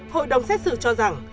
hội đồng xét xử cho rằng